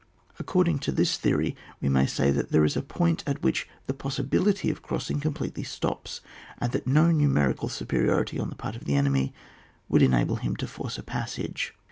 According to this theory we may say that there is a point at which the possibility of crossing completely stops, and that no numerical superiority on the part of the enemy would enable him to force a passage.